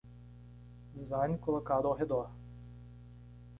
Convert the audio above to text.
Design colocado ao redor